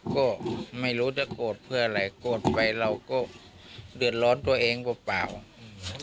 ก็ไม่รู้จะโกรธเพื่ออะไรโกรธไปเราก็เดือดร้อนตัวเองเปล่าเปล่าอืม